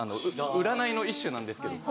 占いの一種なんですけど。